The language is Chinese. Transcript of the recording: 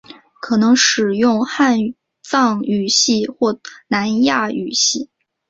可能使用汉藏语系或南亚语系。